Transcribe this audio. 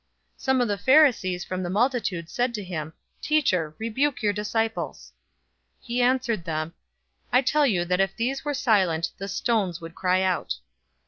019:039 Some of the Pharisees from the multitude said to him, "Teacher, rebuke your disciples!" 019:040 He answered them, "I tell you that if these were silent, the stones would cry out."